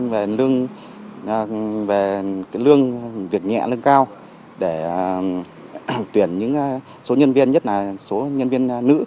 về lương việc nhẹ lương cao để tuyển những số nhân viên nhất là số nhân viên nữ